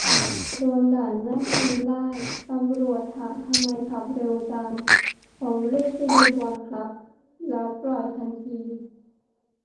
โดนด่านหน้าเซ็นลาด ตำรวจถามทำไมขับเร็วจัง ผมรีบไปดูบอลครับ แล้วปล่อยทันที